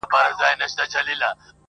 لنډۍ په غزل کي، څلورمه برخه!